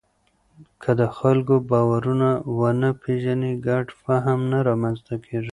که د خلکو باورونه ونه پېژنې، ګډ فهم نه رامنځته کېږي.